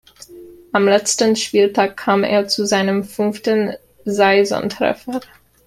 Am letzten Spieltag kam er zu seinem fünften Saisontreffer.